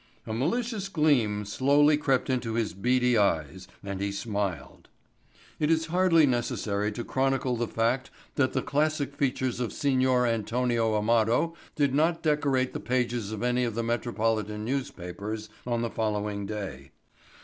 A malicious gleam slowly crept into his beady eyes and he smiled. It is hardly necessary to chronicle the fact that the classic features of Signor Antonia Amado did not decorate the pages of any of the metropolitan newspapers on the following day.